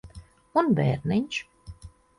Un bērniņš?